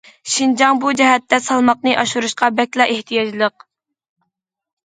شىنجاڭ بۇ جەھەتتە سالماقنى ئاشۇرۇشقا بەكلا ئېھتىياجلىق.